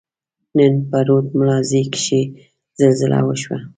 نن په رود ملازۍ کښي زلزله وشوه.